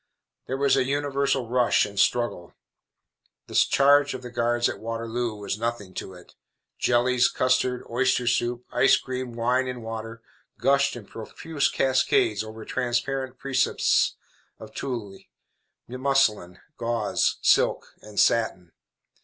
There was a universal rush and struggle. The charge of the guards at Waterloo was nothing to it. Jellies, custard, oyster soup, ice cream, wine and water, gushed in profuse cascades over transparent precipices of tulle, muslin, gauze, silk and satin.